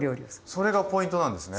それがポイントなんですね。